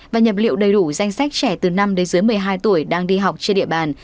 và nhập liệu đầy đủ danh sách trẻ từ năm đến dưới một mươi hai tuổi đang đi học trên địa bàn